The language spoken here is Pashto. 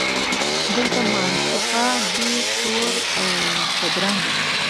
دلته معشوق دی تور اوبدرنګه